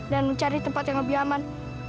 dan mencari tempat yang lebih aman